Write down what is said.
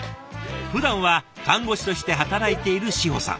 ふだんは看護師として働いている志穂さん。